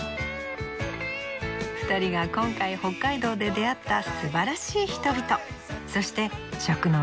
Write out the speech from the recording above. ２人が今回北海道で出会ったすばらしい人々そして食の数々。